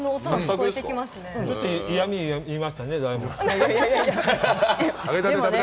ちょっと嫌み言いましたね、だいぶ。